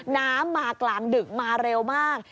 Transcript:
น้ำมากลางดึกมาเร็วมาก